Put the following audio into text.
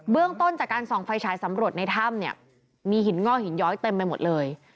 เรื่องต้นจากการส่องไฟฉายสำรวจในถ้ำเนี่ยมีหินงอกหินย้อยเต็มไปหมดเลย